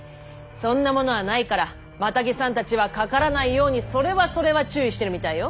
そんなものはないからマタギさんたちは「かからない」ようにそれはそれは注意してるみたいよ。